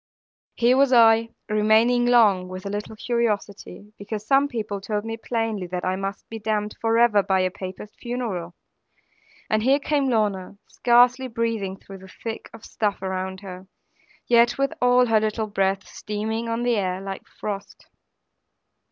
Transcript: Here was I, remaining long, with a little curiosity; because some people told me plainly that I must be damned for ever by a Papist funeral; and here came Lorna, scarcely breathing through the thick of stuff around her, yet with all her little breath steaming on the air, like frost.